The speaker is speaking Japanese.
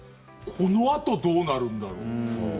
このあと、どうなるんだろう？